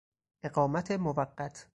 اقامت موقت